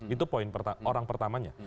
itu poin orang pertamanya